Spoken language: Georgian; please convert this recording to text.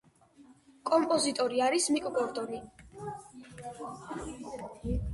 კომპოზიტორი არის მიკ გორდონი.